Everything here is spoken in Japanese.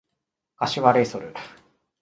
柏レイソル